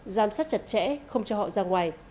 giám sát chặt chẽ không cho họ ra ngoài